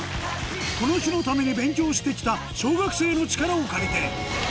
この日のために勉強してきた小学生の力を借りてだ！